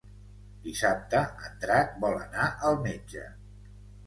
Dissabte en Drac vol anar al metge.